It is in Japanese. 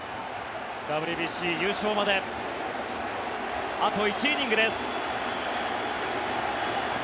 ＷＢＣ優勝まであと１イニングです。